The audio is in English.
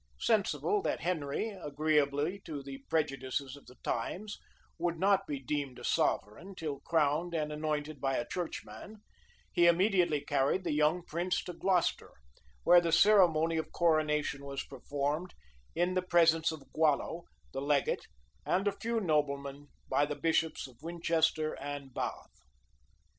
Sensible that Henry, agreeably to the prejudices of the times, would not be deemed a sovereign till crowned and anointed by a churchman, he immediately carried the young prince to Glocester, where the ceremony of coronation was performed, in the presence of Gualo, the legate, and of a few noblemen, by the bishops of Winchester and Bath.